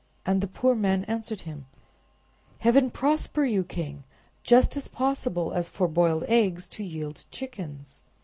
And the poor man answered him— "Heaven prosper you, king! just as possible as for boiled eggs to yield chickens."